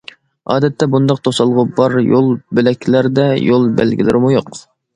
ئادەتتە بۇنداق توسالغۇ بار يول بۆلەكلەردە، يول بەلگىلىرىمۇ يوق.